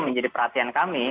menjadi perhatian kami